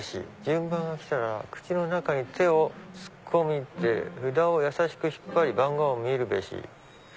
順番が来たら口の中に手を突っ込みて札を優しく引っ張り番号を見るべし。